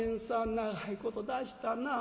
長いことだしたなあ。